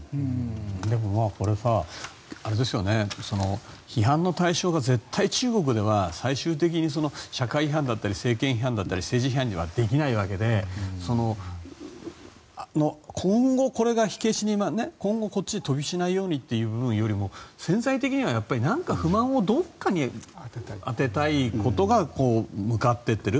でもまあこれさ批判の対象が絶対中国では最終的に、社会批判だったり政権批判だったり政治批判にはできないわけで今後、これが火消しに今後こっちに飛び火しないようにというよりも潜在的には何か不満をどこかに当てたいことが向かっていってる。